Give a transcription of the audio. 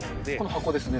箱ですね？